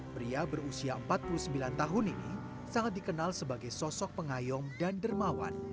pria berusia empat puluh sembilan tahun ini sangat dikenal sebagai sosok pengayom dan dermawan